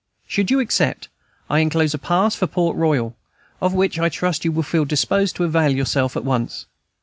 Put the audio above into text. Should you accept, I enclose a pass for Port Royal, of which I trust you will feel disposed to avail yourself at once.